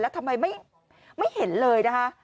แล้วทำไมไม่เห็นเลยนะคะ